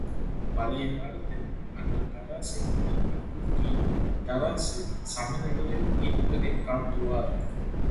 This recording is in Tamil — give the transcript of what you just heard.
பழைய காலத்தில் அந்தத் தராசை முதலில் தூக்கி, தராசு சமநிலையில் இருப்பதைக் காட்டுவர்!